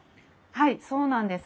はいそうなんです。